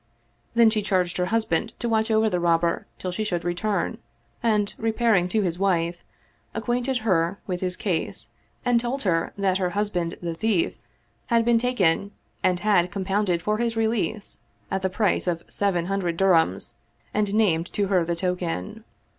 Then she charged her husband to watch over the Robber till she should return, and repairing to his wife, acquainted her with his case and told her that her husband the thief had been taken and had compounded for his release, at the price of seven hundred dirhams, and named to her the token.